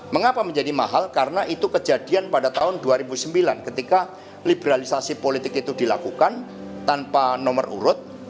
mengapa menjadi mahal karena itu kejadian pada tahun dua ribu sembilan ketika liberalisasi politik itu dilakukan tanpa nomor urut